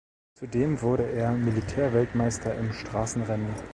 Zudem wurde er Militärweltmeister im Straßenrennen.